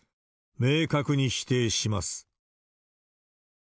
明確に否定します。